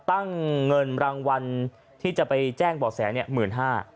ตั้งเงินรางวัลที่จะไปแจ้งบ่อแส๑๕๐๐๐บาท